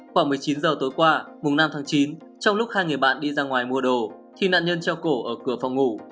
khoảng một mươi chín h tối qua mùng năm tháng chín trong lúc hai người bạn đi ra ngoài mua đồ thì nạn nhân treo cổ ở cửa phòng ngủ